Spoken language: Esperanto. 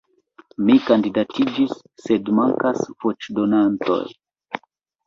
Mi kandidatiĝis, sed mankas voĉdonantoj.